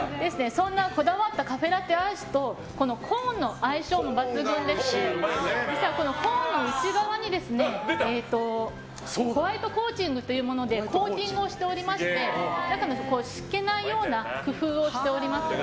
そんなこだわったカフェラテアイスとコーンの相性も抜群でしてこのコーンの内側にホワイトコーティングというものでコーティングをしておりまして中がしけないような工夫をしております。